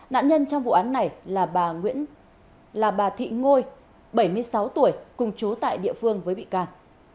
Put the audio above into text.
nạn nhân trong vụ án này là bà thị ngôi bảy mươi sáu tuổi cùng chú tại địa phương với bị can